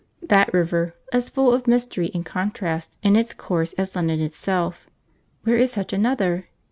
That river, as full of mystery and contrast in its course as London itself where is such another?